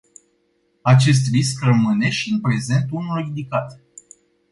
Acest risc rămâne și în prezent unul ridicat.